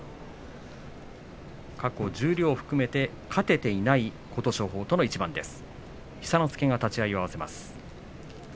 過去十両も含めて勝てていない琴勝峰との一番です。